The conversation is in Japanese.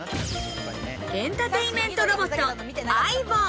エンターテインメントロボット、ＡＩＢＯ。